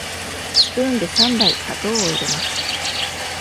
スプーンで三杯砂糖を入れます。